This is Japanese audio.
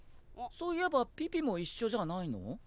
そういえばピピも一緒じゃないの？